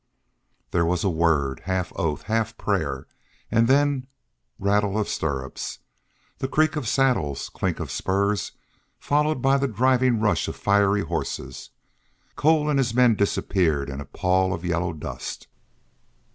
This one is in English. There was a word, half oath, half prayer, and then rattle of stirrups, the creak of saddles, and clink of spurs, followed by the driving rush of fiery horses. Cole and his men disappeared in a pall of yellow dust.